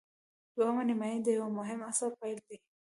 دوهمه نیمايي د یوه مهم عصر پیل دی.